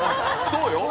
そうよ！